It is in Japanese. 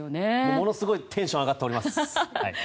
ものすごいテンション上がっております。